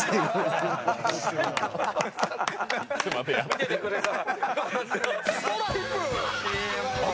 見ててくれた。